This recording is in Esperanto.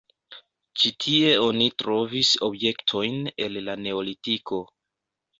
Ĉi tie oni trovis objektojn el la neolitiko.